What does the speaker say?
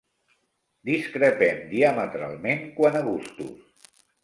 Discrepem diametralment quant a gustos.